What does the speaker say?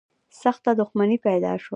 سخته دښمني پیدا شوه